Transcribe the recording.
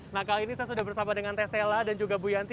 nah kali ini saya sudah bersama dengan tessela dan juga bu yanti